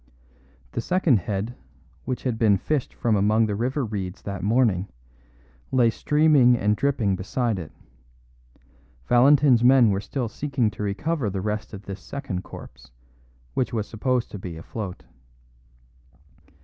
The second head, which had been fished from among the river reeds that morning, lay streaming and dripping beside it; Valentin's men were still seeking to recover the rest of this second corpse, which was supposed to be afloat.